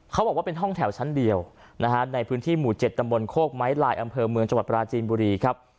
เขาบอกว่าเป็นห้องแถวชั้นเดียวนะฮะในพื้นที่หมู่๗ตำบลโคกไม้ลายอำเภอเมืองจังหวัดปราจีนบุรีครับ